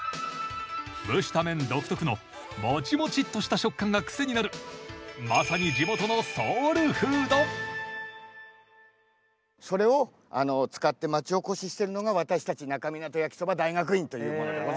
蒸した麺独特のモチモチっとした食感がクセになるまさに地元のソウルフードそれを使って町おこししてるのが私たち那珂湊焼きそば大学院という者でございます。